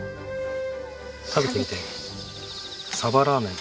食べてみてサバラーメン。